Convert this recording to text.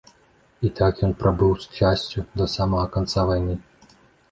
І так ён прабыў з часцю да самага канца вайны.